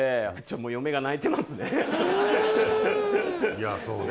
いやそうね。